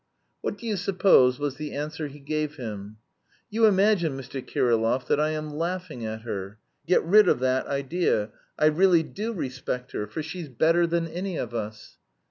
What do you suppose was the answer he gave him: 'You imagine, Mr. Kirillov, that I am laughing at her. Get rid of that idea, I really do respect her, for she's better than any of us.'